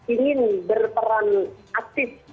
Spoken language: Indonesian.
ingin berperan aktif